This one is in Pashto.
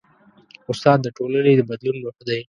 استاد د ټولنې د بدلون روح دی.